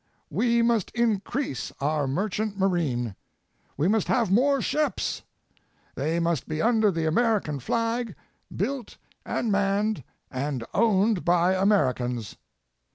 We must increase our merchant marine. We must have more ships. They must be under the Amer ican flag, built and manned and owned by Americans.